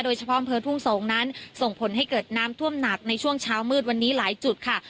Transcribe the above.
อำเภอทุ่งสงศ์นั้นส่งผลให้เกิดน้ำท่วมหนักในช่วงเช้ามืดวันนี้หลายจุดค่ะ